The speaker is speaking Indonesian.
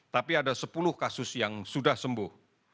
tapi ada sepuluh kasus yang sudah sembuh